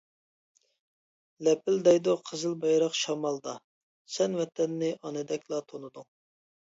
لەپىلدەيدۇ قىزىل بايراق شامالدا، سەن ۋەتەننى ئانىدەكلا تونۇدۇڭ.